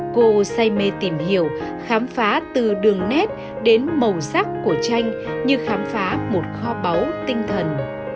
cô say mê tìm hiểu khám phá từ đường nét đến màu sắc của tranh như khám phá một kho báu tinh thần